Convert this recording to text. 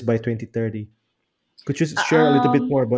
bolehkah anda berbagi sedikit lebih